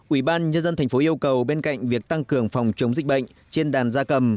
ủy ban nhân dân thành phố yêu cầu bên cạnh việc tăng cường phòng chống dịch bệnh trên đàn da cầm